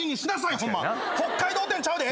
北海道展ちゃうで。